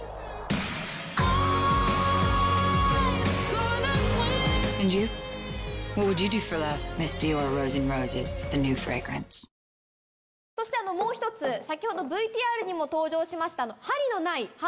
この後そしてもう１つ先ほどＶＴＲにも登場しました。